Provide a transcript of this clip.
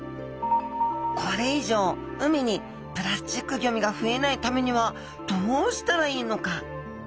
これ以上海にプラスチックゴミが増えないためにはどうしたらいいのか？